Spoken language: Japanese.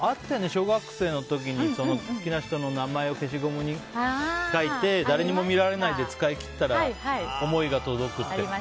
小学生の時に好きな人の名前を消しゴムに書いて誰にも見られないで使い切ったら思いが届くとか。